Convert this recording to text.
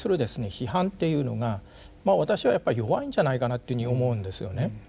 批判っていうのが私はやっぱり弱いんじゃないかなというふうに思うんですよね。